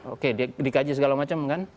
oke dikaji segala macam kan